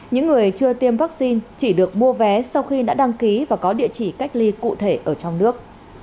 những người chưa tiêm vaccine chỉ được mua vé sau khi đã đăng ký và có địa chỉ cách ly cụ thể ở trong nước